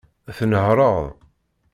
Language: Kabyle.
Tnehṛeḍ.